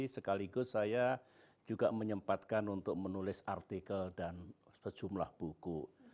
sekaligus saya juga menyempatkan untuk menulis artikel dan sejumlah buku